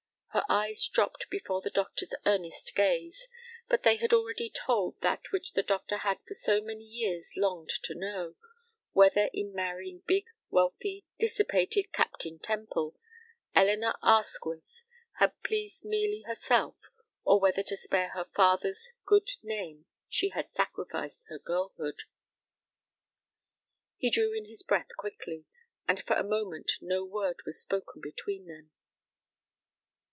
Her eyes dropped before the doctor's earnest gaze, but they had already told that which the doctor had for so many years longed to know, whether in marrying big, wealthy, dissipated Captain Temple, Elinor Arsquith had pleased merely herself, or whether to spare her father's good name she had sacrificed her girlhood. He drew in his breath quickly, and for a moment no word was spoken between them.